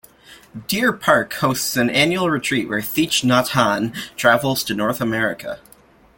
Deer Park hosts an annual retreat when Thich Nhat Hanh travels to North America.